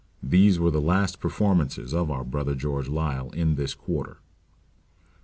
these were the last performances of our Brother George Liele in this quarter.